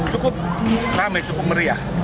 cukup rame cukup meriah